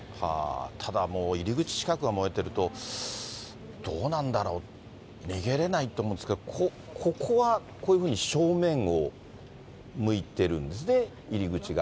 ただもう、入り口近くが燃えてると、どうなんだろう、逃げれないと思うんですけれども、ここは、こういうふうに正面を向いてるんですね、入り口が。